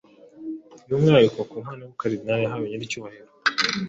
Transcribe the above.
byumwihariko ku mpano y’Ubukaridinali yahaye Nyiricyubahiro